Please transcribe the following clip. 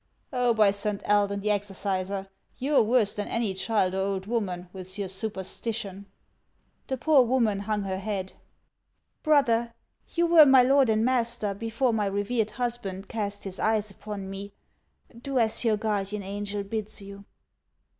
Oh, by Saint Eldon the exorciser, you 're worse than any child or old woman, with your superstition !" The poor woman hung her head. " Brother, you were my lord and master before my revered husband cast his eyes upon me ; do as your guardian angel bids you."